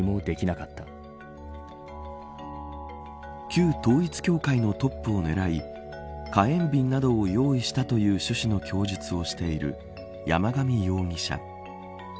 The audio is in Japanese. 旧統一教会のトップを狙い火炎瓶などを用意したという趣旨の供述をしている山上容疑者。